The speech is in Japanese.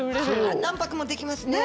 ああ何泊もできますね！